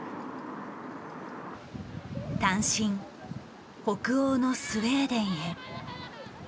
単身北欧のスウェーデンへ。